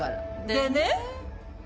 でね。